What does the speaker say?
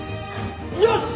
よし！